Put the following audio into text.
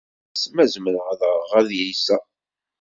Nniɣ-as ma zemreɣ ad ɣreɣ adlis-is.